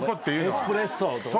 エスプレッソとかね。